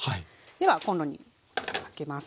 ではコンロにかけます。